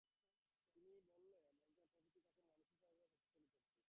তিনি বলতেন, প্রকৃতি তাকে মানসিক এবং শারীরিকভাবে শক্তিশালী করেছে।